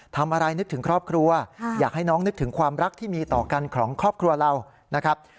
ทำอะไรนึกถึงครอบครัวอยากให้น้องนึกถึงความรักที่มีต่อกันของครอบครัวเรานะครับ